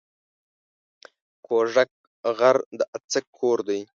کوږک غر د اڅک کور دی